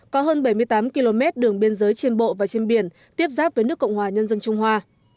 có hơn bảy mươi tám km đường biên giới trên bộ và trên biển tiếp giáp với nước cộng hòa nhân dân trung hoa